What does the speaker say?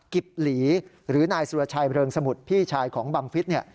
กิบหลีหรือนายสุรชัยเริงสมุทรพี่ชายของบังฟิศ